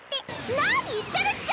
何言ってるっちゃ！